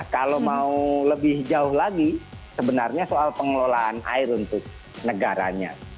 kalau mau lebih jauh lagi sebenarnya soal pengelolaan air untuk negaranya